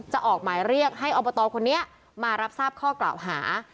จะออกหมายเรียกให้อบตคนนี้มารับทราบข้อกล่าวหา